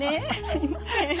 すいません。